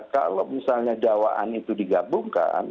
kalau misalnya dawaan itu digabungkan